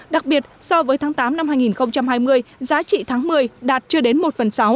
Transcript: đặc biệt so với tháng tám năm hai nghìn hai mươi giá trị tháng một mươi đạt chưa đến một phần sáu